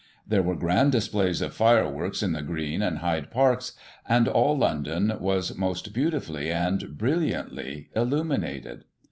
There were grand displays of fireworks in the Green and Hyde Parks, and all London was most beautifully and brilliantly illuminated.